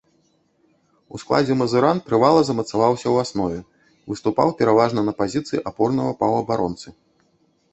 У складзе мазыран трывала замацаваўся ў аснове, выступаў пераважна на пазіцыі апорнага паўабаронцы.